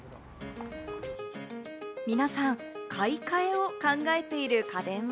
皆さん、買い替えを考えている家電は？